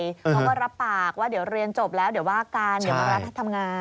เขาก็รับปากว่าเดี๋ยวเรียนจบแล้วเดี๋ยวว่ากันเดี๋ยวมารัฐทำงาน